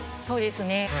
そうですね。